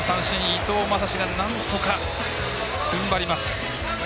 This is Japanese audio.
伊藤将司がなんとかふんばります。